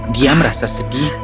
dia merasa sedih dan tertarik